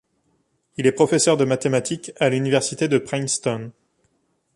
Il est professeur de mathématiques à l'université de Princeton.